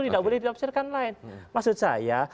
tidak boleh ditafsirkan lain maksud saya